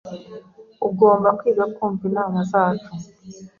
Ugomba kwiga kumva inama zacu.